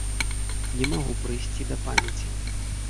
Не магу прыйсці да памяці.